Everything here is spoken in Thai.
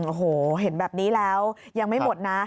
โอ้โหเห็นแบบนี้แล้วยังไม่หมดนะ